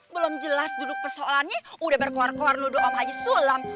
belum jelas duduk persoalannya udah berkuar kuar dulu om aja sulam